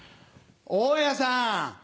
大家さん！